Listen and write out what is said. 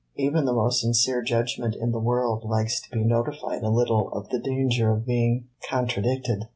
"Even the most sincere judgment in the world likes to be notified a little of the danger of being contradicted."